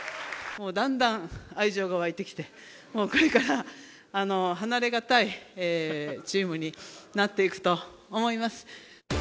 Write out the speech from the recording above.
もうだんだん愛情が湧いてきて、もうこれから離れがたいチームになっていくと思います。